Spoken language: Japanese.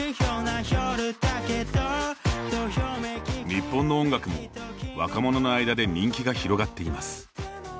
日本の音楽も、若者の間で人気が広がっています。